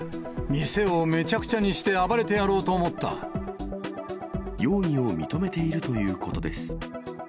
店をめちゃくちゃにして暴れてや容疑を認めているということです。